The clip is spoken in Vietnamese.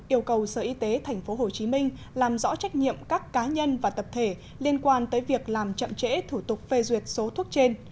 yêu cầu sở y tế tp hcm làm rõ trách nhiệm các cá nhân và tập thể liên quan tới việc làm chậm chẽ thủ tục phê duyệt số thuốc trên